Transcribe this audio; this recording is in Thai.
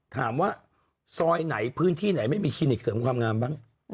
ถามว่าซอยไหนพื้นที่ไหนไม่มีคลินิกเสริมความงามบ้าง